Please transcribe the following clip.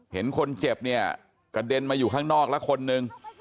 เห็นคนเจ็บเนี่ยกระเด็นมาอยู่ข้างนอกแล้วคนหนึ่ง